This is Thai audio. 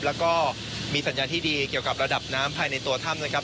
แล้วก็มีสัญญาณที่ดีเกี่ยวกับระดับน้ำภายในตัวถ้ำนะครับ